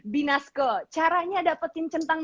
binasko caranya dapetin centang